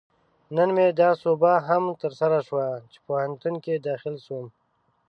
نن مې دا سوبه هم ترسره شوه، چې پوهنتون کې داخل شوم